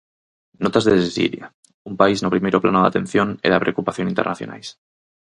Notas desde Siria, un país no primeiro plano da atención e da preocupación internacionais.